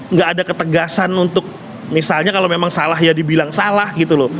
nggak ada ketegasan untuk misalnya kalau memang salah ya dibilang salah gitu loh